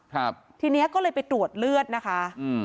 ครับทีนี้ก็เลยไปตรวจเลือดนะคะเออ